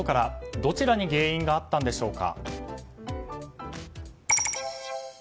どちらに原因があったんでしょうか。